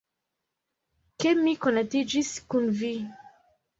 Ke mi konatiĝis kun vi.